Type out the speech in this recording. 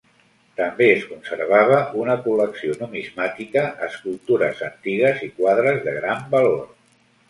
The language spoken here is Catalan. També es conservava una col·lecció numismàtica, escultures antigues i quadres de gran valor.